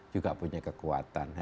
juga punya kekuatan